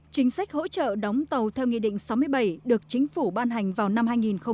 chính sách hỗ trợ đóng tàu theo nghị định sáu mươi bảy được chính phủ ban hành vào năm hai nghìn một mươi